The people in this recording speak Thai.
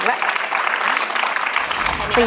๑ล้าน